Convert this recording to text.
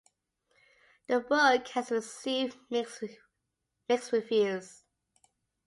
The book has received mixed reviews.